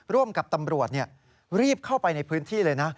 ร่วมกับตำรวจรีบเข้าไปในพื้นที่เลยนะ